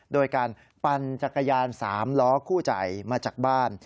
โดยการปั่นจักรยาน๓ล้อคู่ใจมาจากบ้าน